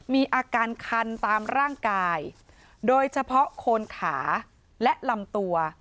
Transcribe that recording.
มีอาการคันตามร่างกายโดยเฉพาะโคนขาและลำตัว